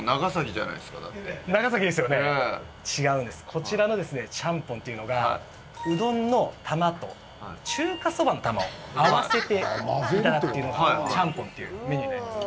こちらのちゃんぽんというのがうどんの玉と中華そばの玉を合わせていただくというのがちゃんぽんというメニューになります。